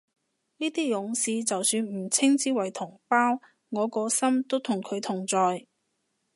呢啲勇士就算唔稱之為同胞，我個心都同佢同在